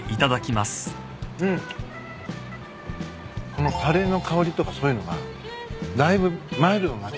このたれの香りとかそういうのがだいぶマイルドに。